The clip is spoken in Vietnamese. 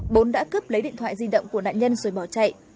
bốn đã cướp lấy điện thoại di động của nạn nhân rồi bỏ chạy